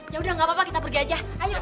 ya udah gak apa apa kita pergi aja ayo